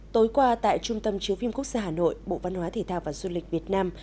tối qua tại trung tâm chứa phim quốc gia hà nội bộ văn hóa thể thao và du lịch việt nam